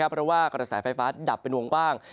เพราะว่ากระแสไฟฟ้าดับเป็นวงกว้าง